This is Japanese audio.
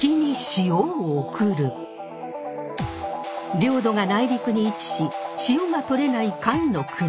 領土が内陸に位置し塩が取れない甲斐国。